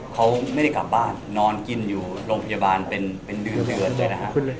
เขาไม่ได้กลับบ้านนอนกินอยู่โรงพยาบาลเป็นเดือนด้วยนะครับ